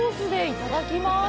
いただきます。